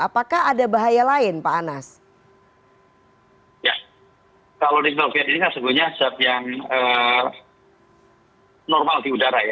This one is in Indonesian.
ya kalau nitrogen ini kan sebetulnya zat yang normal di udara ya